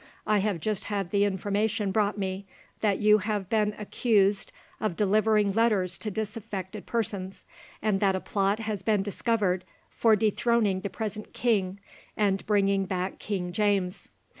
I have just had the information brought me, that you have been accused of delivering letters to disaffected persons, and that a plot has been discovered for dethroning the present king and bringing back King James.